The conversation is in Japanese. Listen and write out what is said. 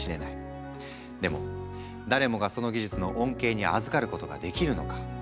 でも誰もがその技術の恩恵にあずかることができるのか？